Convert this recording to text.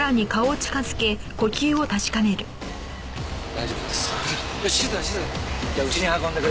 大丈夫です。